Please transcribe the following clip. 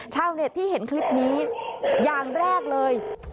ชาวเน็ตที่เห็นคลิปนี้อย่างแรกเลย